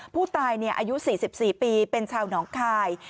ผู้ตายอายุ๔๔ปีเป็นชาวหนองคาย